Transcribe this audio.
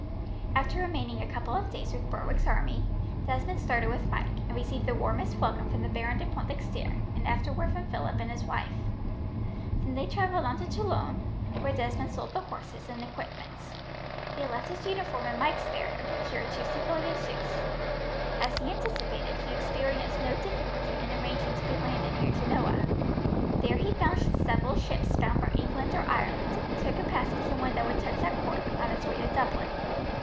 After remaining a couple of days with Berwick's army, Desmond started with Mike, and received the warmest welcome from the Baron de Pointdexter, and afterwards from Philip and his wife. Then they travelled on to Toulon, where Desmond sold the horses and equipments. He left his uniform and Mike's there, and procured two civilian suits. As he anticipated, he experienced no difficulty in arranging to be landed near Genoa. There he found several ships bound for England or Ireland, and took a passage in one that would touch at Cork, on its way to Dublin.